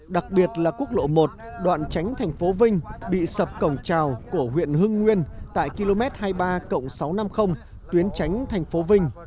đặc biệt là quốc lộ một đoạn tránh thành phố vinh bị sập cổng trào của huyện hưng nguyên tại km hai mươi ba cộng sáu trăm năm mươi tuyến tránh thành phố vinh